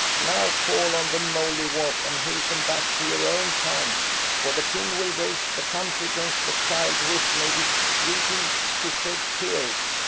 "Now, call on the Mouldiwarp and hasten back to your own time. For the King will raise the country against the child who has made his sweeting to shed tears.